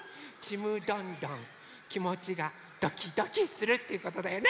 きもちがドキドキするっていうことだよね！